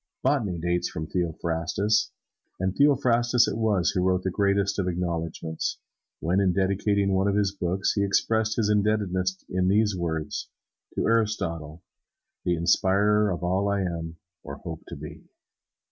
Botany dates from Theophrastus. And Theophrastus it was who wrote that greatest of acknowledgments, when, in dedicating one of his books, he expressed his indebtedness in these words: "To Aristotle, the inspirer of all I am or hope to be."